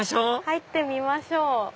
入ってみましょう。